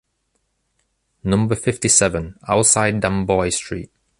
Number fifty-seven, Alcide Damboise street.